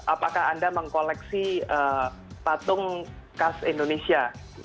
apakah anda mengkoleksi patung khas indonesia